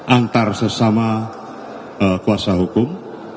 tetapi penuh dengan keteluragaan